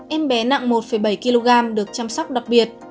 em bé nặng một bảy kg được chăm sóc đặc biệt